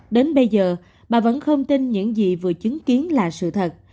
đến bây giờ bà vẫn không tin những gì vừa chứng kiến là sự thật